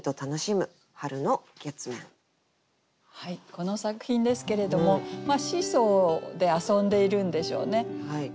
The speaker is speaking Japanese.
この作品ですけれどもシーソーで遊んでいるんでしょうね。